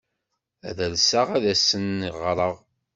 Ad alseɣ ad asen-ɣreɣ.